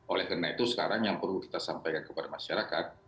oleh karena itu sekarang yang perlu kita sampaikan kepada masyarakat